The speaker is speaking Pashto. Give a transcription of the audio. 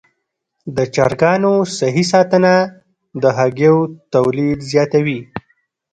د چرګانو صحي ساتنه د هګیو تولید زیاتوي.